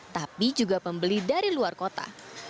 tapi juga pembeli dari luar kota